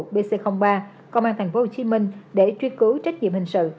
bc ba công an tp hcm để truy cứu trách nhiệm hình sự